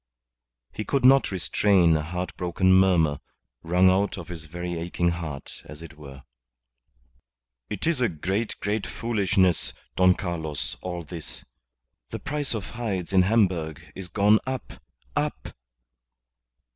He could not restrain a heart broken murmur, wrung out of his very aching heart, as it were. "It is a great, great foolishness, Don Carlos, all this. The price of hides in Hamburg is gone up up.